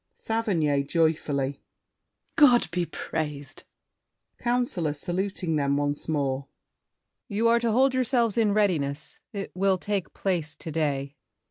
SAVERNY (joyfully). God be praised! COUNCILOR (saluting them once more). You are to hold yourselves in readiness; It will take place to day.